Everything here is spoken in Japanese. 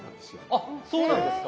あっそうなんですか。